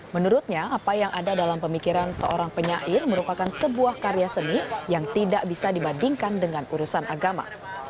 menurutnya apa yang ada dalam pemikiran seorang penyair merupakan sebuah karya seni yang tidak bisa dibandingkan dengan urusan agama